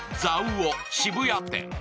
お渋谷店。